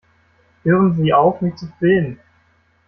Hören Sie auf, mich zu filmen!